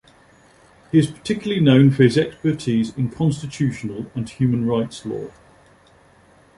He is particularly known for his expertise in constitutional and human rights law.